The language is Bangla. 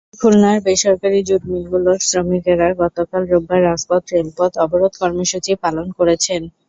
খুলনার বেসরকারি জুট মিলগুলোর শ্রমিকেরা গতকাল রোববার রাজপথ-রেলপথ অবরোধ কর্মসূচি পালন করেছেন।